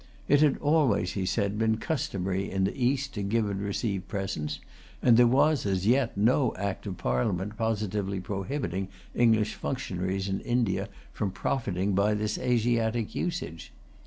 It had always, he says, been customary in the East to give and receive presents; and there was, as yet, no Act of Parliament positively prohibiting English functionaries in India from profiting by this Asiatic usage.